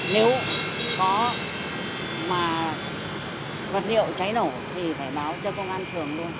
nếu có mà vật liệu cháy nổ thì phải báo cho công an phường luôn